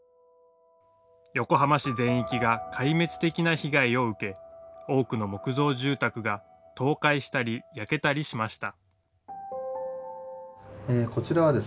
横浜市全域が壊滅的な被害を受け多くの木造住宅が倒壊したり焼けたりしました。